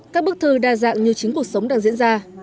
các bức thư đa dạng như chính cuộc sống đang diễn ra